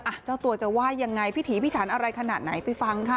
เจ้าตัวจะว่ายังไงพิถีพิถันอะไรขนาดไหนไปฟังค่ะ